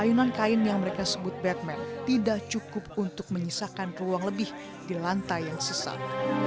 ayunan kain yang mereka sebut batman tidak cukup untuk menyisakan ruang lebih di lantai yang sesat